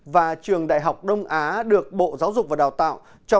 và trường đại học đông á được bộ giáo dục và đào tạo